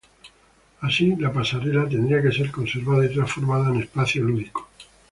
Así la pasarela tendría que ser conservada y transformada en espacio lúdico.